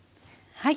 はい。